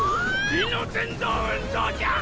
胃の蠕動運動じゃ！